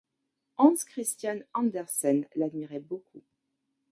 Hans Christian Andersen l'admirait beaucoup.